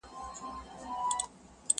!چي ښکلي یادومه ستا له نومه حیا راسي!